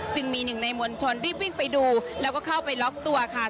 จึงมีหนึ่งในมวลชนรีบวิ่งไปดูแล้วก็เข้าไปล็อกตัวค่ะ